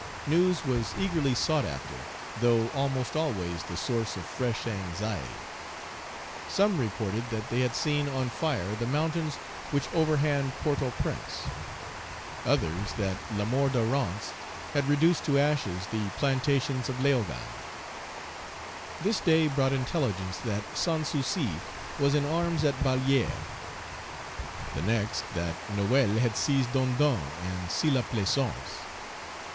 News was eagerly sought after, though almost always the source of fresh anxiety. Some reported that they had seen on fire the mountains which overhand Port au Prince; others that Lamour de Rance had reduced Page 247 to ashes the plantations of Léogane. This day brought intelligence that Sans Souci was in arms at Vallière; the next, that Noël had seized Dondon and Sylla Plaisance.